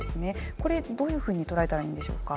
これどういうふうに捉えたらいいんでしょうか。